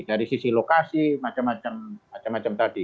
dari sisi lokasi macam macam tadi